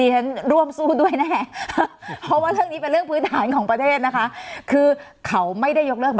สนับสนุนโดยพี่โพเพี่ยวสะอาดใสไร้คราบ